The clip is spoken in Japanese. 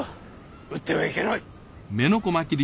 撃ってはいけない！